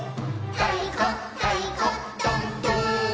「たいこたいこどんどーん！